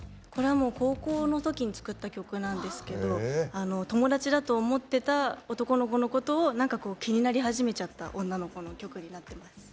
高校のときに作った曲なんですけど友達だと思ってた男の子のことを気になり始めちゃった女の子の曲になってます。